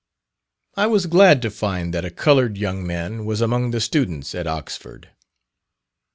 I was glad to find that a coloured young man was among the students at Oxford.